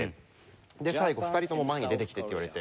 で最後「２人とも前に出てきて」って言われて。